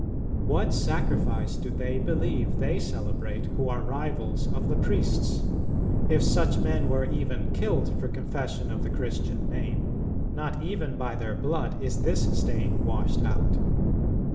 .. What sacrifice do they believe they celebrate, who are rivals of the Priests? If such men were even killed for confession of the Christian name, not even by their blood is this stain washed out.